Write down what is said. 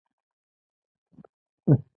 ایا مالګه فشار لوړوي؟